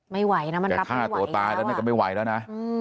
ไม่ไหวนะมันกลับไม่ไหวแล้วแกฆ่าตัวตายแล้วนี่ก็ไม่ไหวแล้วนะ